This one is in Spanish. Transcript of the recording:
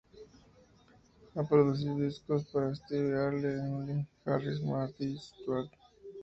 Ha producido discos para Steve Earle, Emmylou Harris y Marty Stuart.